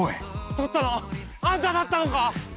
とったのあんただったのか！